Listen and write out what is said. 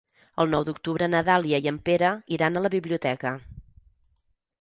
El nou d'octubre na Dàlia i en Pere iran a la biblioteca.